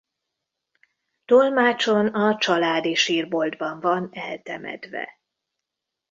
Tolmácson a családi sírboltban van eltemetve.